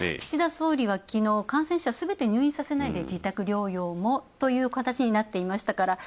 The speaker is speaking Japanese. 岸田総理はきのう、感染者をすべて入院させないで自宅療養もという形になっていた。